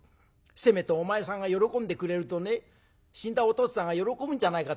せめてお前さんが喜んでくれるとね死んだお父つぁんが喜ぶんじゃないかと思ってね